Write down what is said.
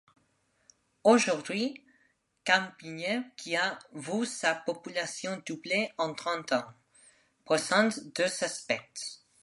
Aujourd'hui, Capinghem qui a vu sa population doubler en trente ans, présente deux aspects.